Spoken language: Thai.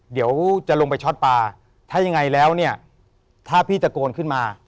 เดี๋ยวจะลงไปช็อตปลาถ้ายังไงแล้วเนี่ยถ้าพี่ตะโกนขึ้นมา